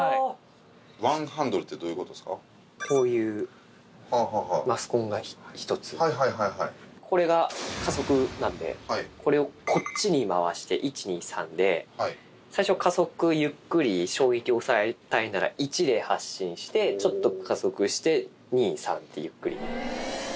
ワンハンドルって、どういうこういう、マスコンが１つ、これが加速なんで、これをこっちに回して、１、２、３で、最初、加速ゆっくり、衝撃を抑えたいなら１で発進して、ちょっと加速して、２、３ってゆっくり。